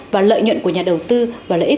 và lợi nhuận của nhà đầu tư và lợi ích